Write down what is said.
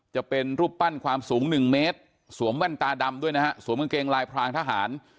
จะเป็นรูปปั้นความสูง๑เมตรสวมเมื่อนตาดำสวมกางเกงลายพรางทหาร